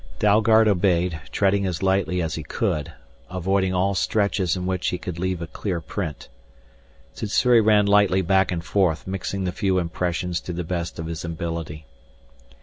Dalgard obeyed, treading as lightly as he could, avoiding all stretches in which he could leave a clear print. Sssuri ran lightly back and forth mixing the few impressions to the best of his ability.